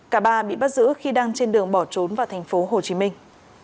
cả ba bị bắt giữ khi đang trên đường bỏ trốn vào thành phố hồ chí minh